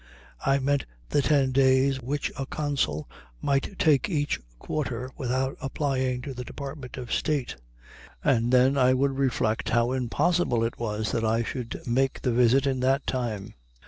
I meant the ten days which a consul might take each quarter without applying to the Department of State; and then I would reflect how impossible it was that I should make the visit in that time.